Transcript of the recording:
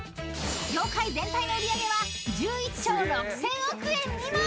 ［業界全体の売り上げは１１兆６，０００億円にも］